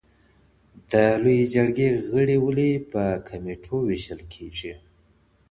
د لویې جرګي غړي ولي په کمیټو ویشل کیږي؟